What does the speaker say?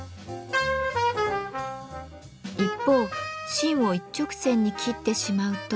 一方芯を一直線に切ってしまうと。